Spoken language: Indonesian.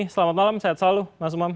selamat malam sehat selalu mas umam